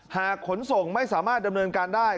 ขนส่งไม่สามารถดำเนินการได้